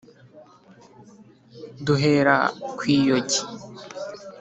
duhera kw’iyogi